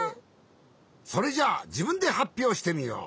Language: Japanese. それじゃあじぶんではっぴょうしてみよう。